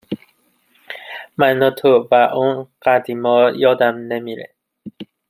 من و تو و اون قدیما یادم نمیره